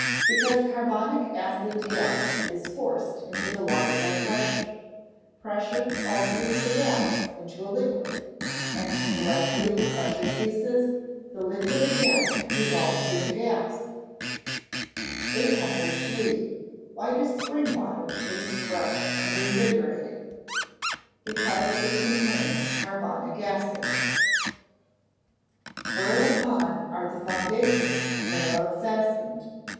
_ Because carbonic acid gas is forced into the water by pressure. Pressure alters the gas into a liquid, and directly the pressure ceases, the liquid again evolves into gas. 803. Why does spring water taste fresh and invigorating? Because it contains carbonic acid. [Verse: "Whereupon are the foundations thereof fastened?